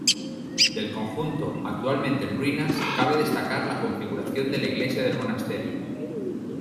Del conjunto, actualmente en ruinas, cabe destacar la configuración de la iglesia del monasterio.